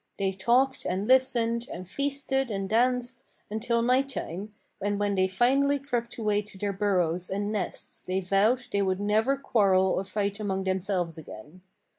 They talked and listened, and feasted and danced, until night time, and when they finally crept away to their burrows and nests they vowed they would never quarrel or fight among themselves again.